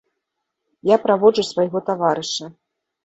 Я праводжу свайго таварыша.